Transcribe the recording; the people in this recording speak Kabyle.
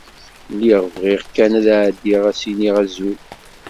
Lliɣ bɣiɣ kan ad εeddiɣ ad s-iniɣ azul.